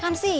oh gitu sih